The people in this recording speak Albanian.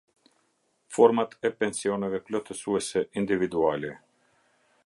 Format e pensioneve plotësuese individuale.